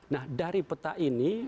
nah dari peta ini